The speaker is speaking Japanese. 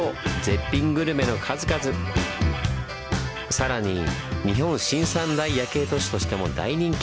さらに「日本新三大夜景都市」としても大人気！